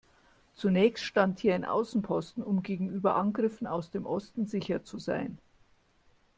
Zunächst stand hier ein Außenposten, um gegenüber Angriffen aus dem Osten sicher zu sein.